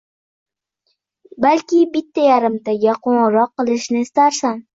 Balki bitta-yarimtaga qo`ng`iroq qilishni istarsan